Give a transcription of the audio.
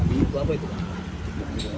itu apa itu pak